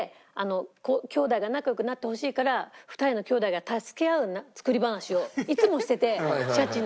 兄弟が仲良くなってほしいから２人の兄弟が助け合う作り話をいつもしてて。